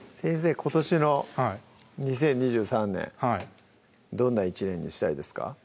今年の２０２３年はいどんな１年にしたいですか？